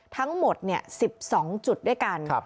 ทั้งหมด๑๒จุดด้วยกัน